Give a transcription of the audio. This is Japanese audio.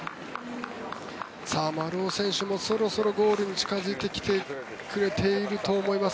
丸尾選手もそろそろゴールに近付いてきてくれていると思います。